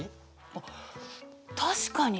あっ確かに。